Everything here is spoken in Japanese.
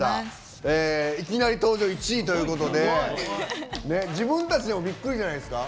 いきなり登場１位ということで自分たちでもびっくりじゃないですか？